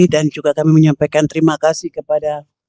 dan juga kami menyampaikan terima kasih kepada